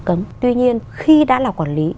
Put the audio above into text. cấm tuy nhiên khi đã là quản lý